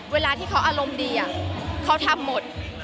เวลาที่เขาอารมณ์ดีเขาทำหมด